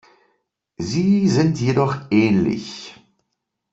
Sie sind jedoch ähnlich.